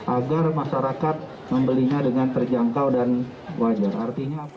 agar masyarakat membelinya dengan terjangkau dan wajar